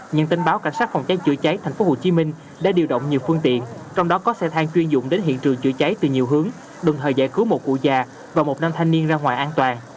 nhận tin báo cảnh sát phòng cháy chữa cháy tp hcm đã điều động nhiều phương tiện trong đó có xe thang chuyên dụng đến hiện trường chữa cháy từ nhiều hướng đồng thời giải cứu một cụ già và một nam thanh niên ra ngoài an toàn